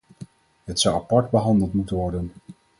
Het zou apart behandeld moeten worden.